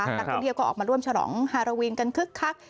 นักท่องเที่ยวก็ออกมาร่วมฉลองฮาราวีนกันคึกคัก